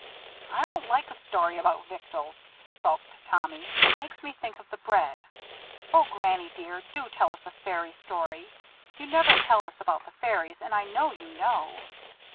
"I don't like a story about victuals," sulked Tommy. "It makes me think of the bread. O Granny dear! do tell us a fairy story. You never will tell us about the Fairies, and I know you know."